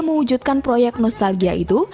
mewujudkan proyek nostalgia itu